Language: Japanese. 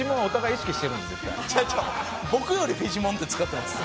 僕よりフィジモンって使ってます。